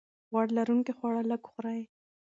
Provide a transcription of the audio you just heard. غوړ لرونکي خواړه لږ وخورئ.